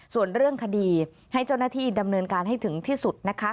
ส่วนเรื่องคดีให้เจ้าหน้าที่ดำเนินการให้ถึงที่สุดนะคะ